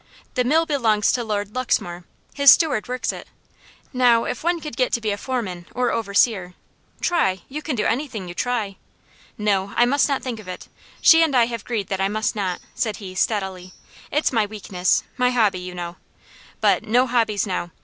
The mill belongs to Lord Luxmore. His steward works it. Now, if one could get to be a foreman or overseer " "Try you can do anything you try." "No, I must not think of it she and I have agreed that I must not," said he, steadily. "It's my weakness my hobby, you know. But no hobbies now.